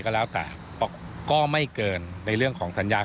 โดยรฟทจะประชุมและปรับแผนให้สามารถเดินรถได้ทันในเดือนมิถุนายนปี๒๕๖๓